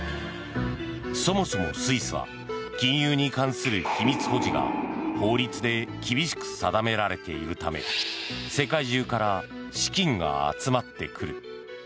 そもそもスイスは金融に関する秘密保持が法律で厳しく定められているため世界中から資金が集まってくる。